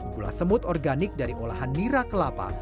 gula semut organik dari olahan nira kelapa